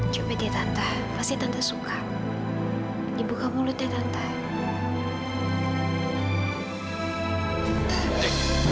coba di tante pasti tante suka dibuka mulutnya tante